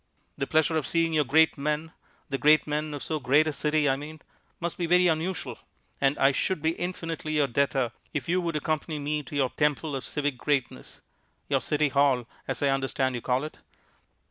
The pleasure of seeing your great men the great men of so great a city, I mean must be very unusual, and I should be infinitely your debtor if you would accompany me to your temple of civic greatness your City Hall, as I understand you call it.